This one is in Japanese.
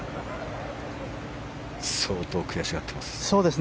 相当悔しがっています。